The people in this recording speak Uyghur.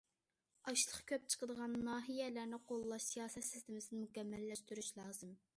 ئاشلىق كۆپ چىقىدىغان ناھىيەلەرنى قوللاش سىياسەت سىستېمىسىنى مۇكەممەللەشتۈرۈش لازىم.